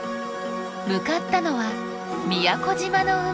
向かったのは宮古島の海。